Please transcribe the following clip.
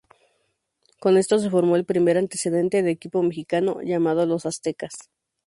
Con esto se formó el primer antecedente de equipo mexicano, llamado los Aztecas.